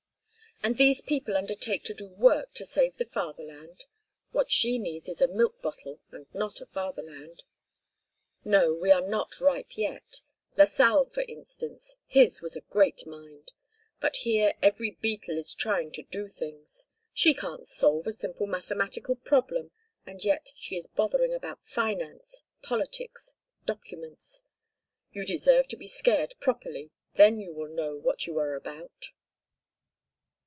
And these people undertake to do work to save the fatherland. What she needs is a milk bottle and not a fatherland. No, we are not ripe yet. Lasalle, for instance—his was a great mind! But here every beetle is trying to do things! She can't solve a simple mathematical problem, and yet she is bothering about finance, politics, documents. You deserve to be scared properly—then you will know what you are about!"